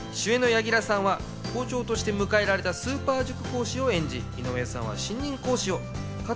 主演の柳楽さんは校長として迎えられたスーパー塾講師を演じ、井上さんは新任講師を。